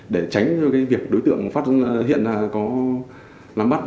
để tránh cho việc đối tượng hiện có làm bắt